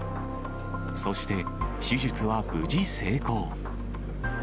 そして、手術は無事成功。